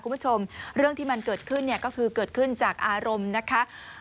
คุณผู้ชมเรื่องที่มันเกิดขึ้นเนี่ยก็คือเกิดขึ้นจากอารมณ์นะคะ